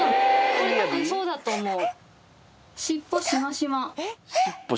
これ、たぶんそうだと思う。